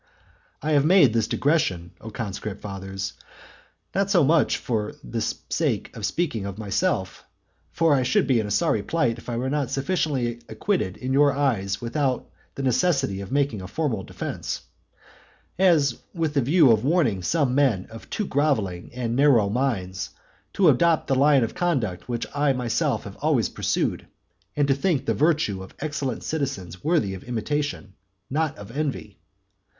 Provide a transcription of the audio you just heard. I have made this digression, O conscript fathers, not so much for the sake of speaking of myself, (for I should be in a sorry plight if I were not sufficiently acquitted in your eyes without the necessity of making a formal defence,) as with the view of warning some men of too grovelling and narrow minds, to adopt the line of conduct which I myself have always pursued, and to think the virtue of excellent citizens worthy of imitation, not of envy.